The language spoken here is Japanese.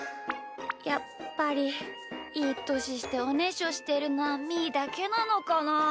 やっぱりいいとししておねしょしてるのはみーだけなのかなあ。